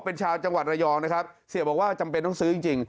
เป็นชาวจังหวัดระยองนะครับเสียบอกว่าจำเป็นต้องซื้อจริง